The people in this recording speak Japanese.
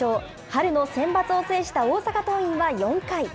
春のセンバツを制した大阪桐蔭は４回。